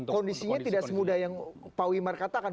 kondisinya tidak semudah yang pak wimar katakan